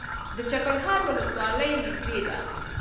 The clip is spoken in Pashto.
د چپرهار ولسوالۍ نږدې ده